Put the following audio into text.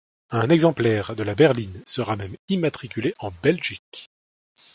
Un exemplaire de la berline sera même immatriculé en Belgique.